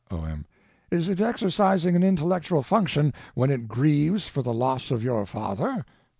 O.M. Is it exercising an intellectual function when it grieves for the loss of your father?